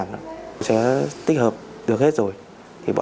nút tờ khai ạ